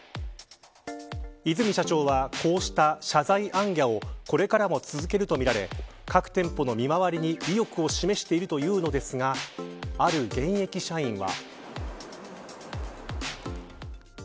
和泉社長は、こうした謝罪行脚をこれからも続けるとみられ各店舗の見回りに意欲を示しているというのですがある現役社員は。